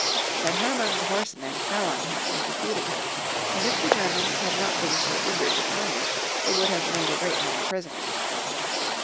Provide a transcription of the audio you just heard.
But Herman's horsemen fell on him and defeated him, and if the Germans had not been so eager to plun der they would have made a great many prisoners.